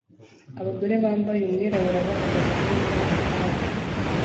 Abagore bambaye umwirabura bahagaze kandi banywa itabi